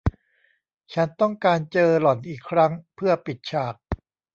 ฉันต้องการเจอหล่อนอีกครั้งเพื่อปิดฉาก